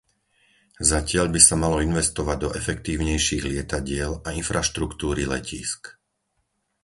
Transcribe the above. Zatiaľ by sa malo investovať do efektívnejších lietadiel a infraštruktúry letísk.